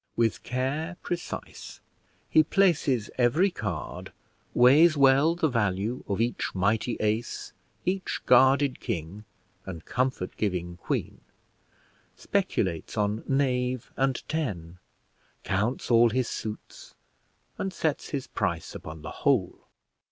With care precise he places every card, weighs well the value of each mighty ace, each guarded king, and comfort giving queen; speculates on knave and ten, counts all his suits, and sets his price upon the whole.